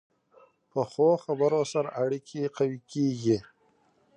پخو خبرو سره اړیکې قوي کېږي